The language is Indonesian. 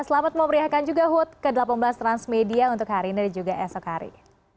selamat memberiakan juga hood ke delapan belas transmedia untuk hari ini dan juga esok hari